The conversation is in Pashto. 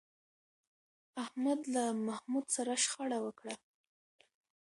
احمد له محمود سره شخړه وکړه